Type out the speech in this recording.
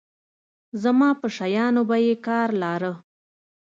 زما په شيانو به يې کار لاره.